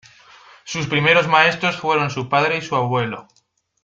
Sus primeros maestros fueron su padre y su abuelo.